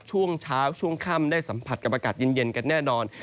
ช่วงเช้าช่วงค่ำได้สัมผัสกับอากาศเย็นกันแน่นอน